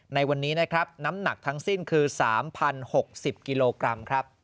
ในวันนี้นำหนักทั้งสิ้นคือ๓๐๖๐กิโลกรัม